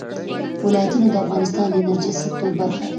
ولایتونه د افغانستان د انرژۍ سکتور برخه ده.